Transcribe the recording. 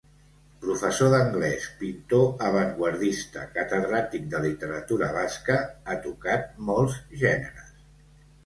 Professor d'anglès, pintor avantguardista, catedràtic de literatura basca, ha tocat molts gèneres.